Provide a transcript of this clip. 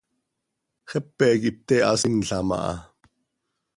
Xepe quih pte hasinlam aha.